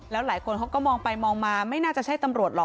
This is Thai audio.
แล้วหลายคนเขาก็มองไปมองมาไม่น่าจะใช่ตำรวจหรอก